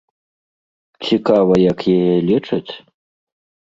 Цікава як яе лечаць?